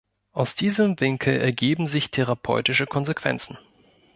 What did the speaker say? Aus diesem Winkel ergeben sich therapeutische Konsequenzen.